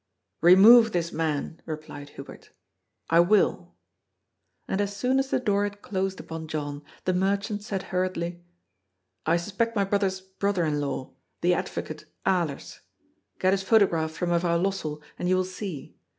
" Eemove this man," replied Hubert. " I will." And, as soon as the door had closed upon John, the merchant said hurriedly :" I suspect my brother's brother in law, the advocate Alers. Get his photograph from Mevrouw Lossell, and you will see.